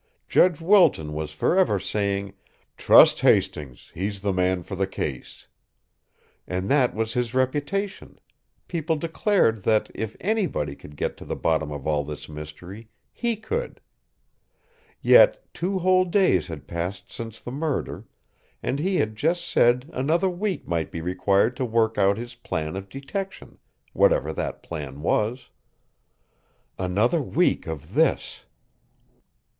Judge Wilton was forever saying, "Trust Hastings; he's the man for this case." And that was his reputation; people declared that, if anybody could get to the bottom of all this mystery, he could. Yet, two whole days had passed since the murder, and he had just said another week might be required to work out his plan of detection whatever that plan was. Another week of this!